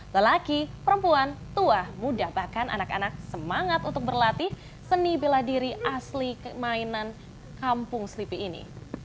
lelaki perempuan tua muda bahkan anak anak semangat untuk berlatih seni bela diri asli mainan kampung selipi ini